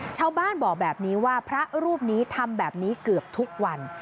ชาวบ้านบอกแบบนี้ว่าพระรูปนี้ทำแบบนี้เกือบทุกวัน